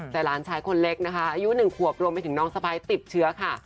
แต่ร้านชายคนเล็กอายุหนึ่งขวบรวมไปถึงน้องสะพายติบเชื้อค่ะ